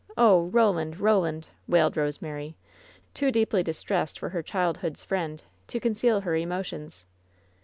Oh, Roland! Roland!" wailed Rosemary, too deeply dis tressed for her childhood's friend to conceal her emo tions.